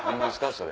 それ。